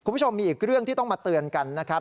คุณผู้ชมมีอีกเรื่องที่ต้องมาเตือนกันนะครับ